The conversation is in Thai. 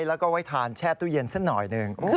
แล้วก็ไว้ทานแช่ตู้เย็นสักหน่อยหนึ่ง